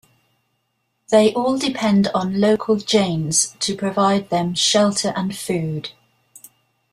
They all depend on local Jains to provide them shelter and food.